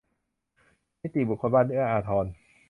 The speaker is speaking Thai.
นิติบุคคลบ้านเอื้ออาทร